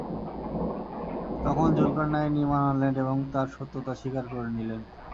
তখন যুলকারনাইন ঈমান আনলেন এবং তার সত্যতা স্বীকার করে নিলেন।